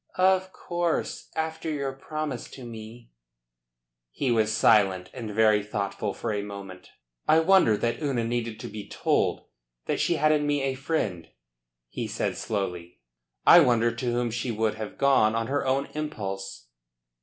"Of course. After your promise to me." He was silent and very thoughtful for a moment. "I wonder that Una needed to be told that she had in me a friend," he said slowly. "I wonder to whom she would have gone on her own impulse?"